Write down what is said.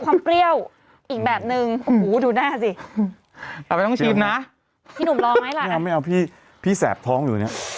ความเปรี้ยวเท่ากันไม่ต้องชิมทั้งสองมึงอยากไม่ชิมอะไรก่อน